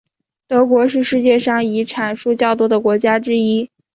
德国是世界遗产数较多的国家之一。